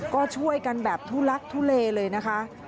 ก็ช่วยกันแบบทุลักทุเลเลยนะคะ